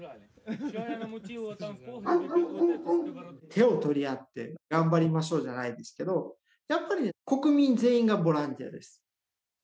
手を取り合って頑張りましょうじゃないですけどやっぱり国民全員がボランティアです。